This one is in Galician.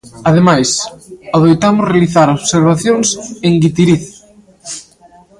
Ademais, adoitamos realizar observacións en Guitiriz.